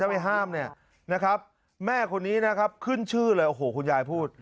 ไปห้ามเนี่ยนะครับแม่คนนี้นะครับขึ้นชื่อเลยโอ้โหคุณยายพูด